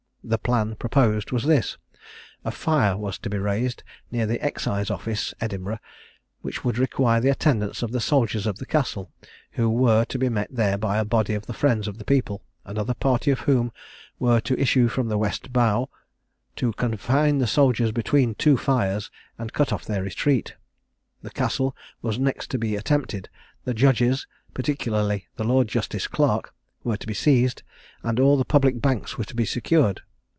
The plan proposed was this: A fire was to be raised near the Excise office (Edinburgh), which would require the attendance of the soldiers in the Castle, who were to be met there by a body of the friends of the people; another party of whom were to issue from the West Bow, to confine the soldiers between two fires, and cut off their retreat; the Castle was next to be attempted; the judges (particularly the Lord Justice Clerk) were to be seized; and all the public banks were to be secured.